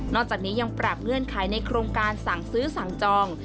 จากนี้ยังปรับเงื่อนไขในโครงการสั่งซื้อสั่งจอง